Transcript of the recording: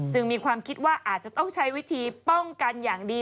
มีความคิดว่าอาจจะต้องใช้วิธีป้องกันอย่างดี